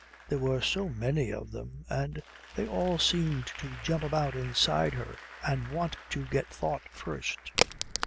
There were so many of them, and they all seemed to jump about inside her and want to get thought first.